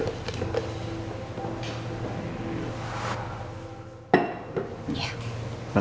terus kita makan